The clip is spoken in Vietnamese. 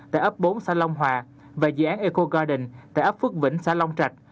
tại ấp bốn xã long hòa và dự án eco garden tại ấp phước vĩnh xã long trạch